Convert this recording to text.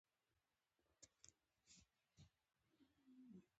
دی د نقرس له ناروغۍ څخه مړ شو.